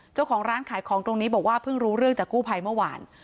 เจ้าของร้านขายของตรงนี้บอกว่าเพิ่งรู้เรื่องจากกู้ภัยเมื่อวาน